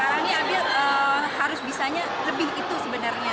kalau saya sekarang ini abil harus bisa lebih itu sebenarnya